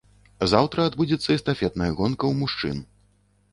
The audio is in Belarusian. Заўтра адбудзецца эстафетная гонка ў мужчын.